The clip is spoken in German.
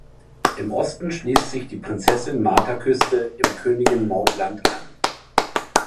Im Osten schließt sich die Prinzessin-Martha-Küste im Königin-Maud-Land an.